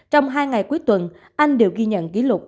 trong hai ngày cuối tuần anh đều ghi nhận ký lục hơn chín mươi ca